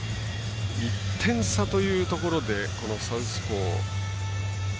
１点差というところでこのサウスポー。